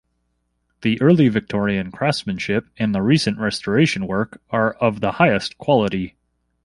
The early-Victorian craftsmanship and the recent restoration work are of the highest quality.